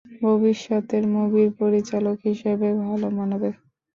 ভবিষ্যতের মুভির পরিচালক হিসেবে ভালো মানাবে।